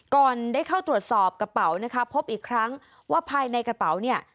ก่อนได้เข้าตรวจสอบกระเป๋านะคะพบอีกครั้งว่าภายในกระเป๋าเนี่ย